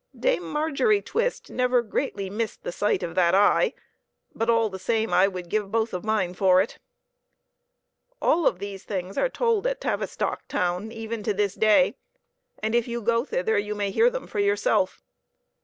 Dame Margery Twist never greatly missed the sight of that eye ; but all the same, I would give both of mine for it. All of these things are told at Tavistock town even to this day; and if you go thither, you may hear them for yourself.